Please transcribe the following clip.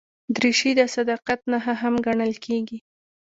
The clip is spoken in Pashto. دریشي د صداقت نښه هم ګڼل کېږي.